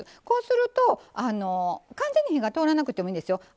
こうすると完全に火が通らなくてもいいんですよ。